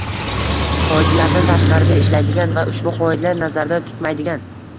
qoidalardan tashqarida ishlaydigan va ushbu qoidalar nazarda tutmaydigan